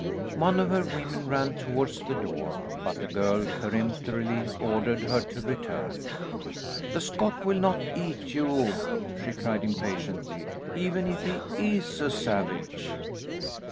One of her women ran towards the door, but the girl peremptorily ordered her to return. "The Scot will not eat you," she cried impatiently, "even if he is a savage."